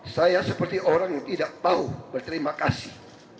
saya seperti orang yang tidak tahu berterima kasih